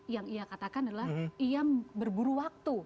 yang ia katakan adalah ia berburu waktu